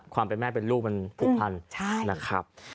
ความเป็นแม่เป็นลูกมันผูกพันนะครับ